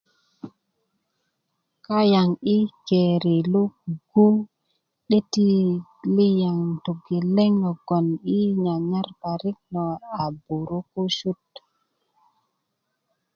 kayaŋ yi keri lo kuku 'deti liyaŋ togeleŋ logon yi nyanyar parik lo a burukusut